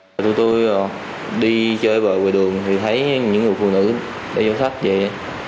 những người đi đường thấy những người phụ nữ đeo sách vậy